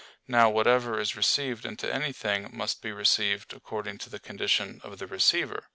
Now whatever is received into anything must be received according to the condition of the receiver.